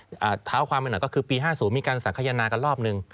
เท้าความไปหน่อยก็คือปี๕๐มีการสังขยนากันรอบหนึ่ง